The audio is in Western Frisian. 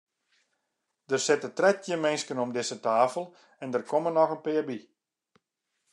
Der sitte trettjin minsken om dizze tafel en der komme noch in pear by.